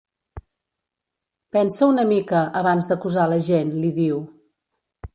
Pensa una mica, abans d'acusar la gent —li diu—.